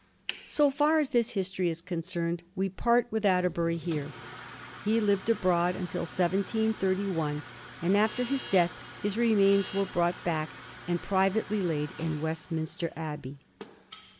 So far as this history is con cerned we part with Atterbury here. He lived abroad until 1731, and after his deathhis remains were brought back and privately laid in Westminster Abbey.